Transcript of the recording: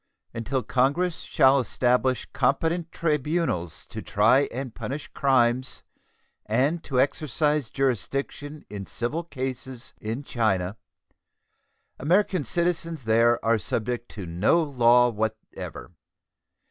Until Congress shall establish competent tribunals to try and punish crimes and to exercise jurisdiction in civil cases in China, American citizens there are subject to no law whatever.